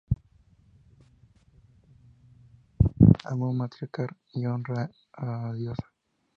Este linaje encarna el ser hombre desde el amor matriarcal y honra a Diosa.